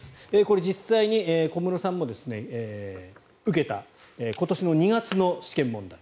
これ実際に小室さんも受けた今年の２月の試験問題。